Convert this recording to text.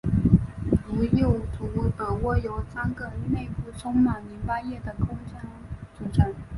如右图耳蜗由三个内部充满淋巴液的空腔组成。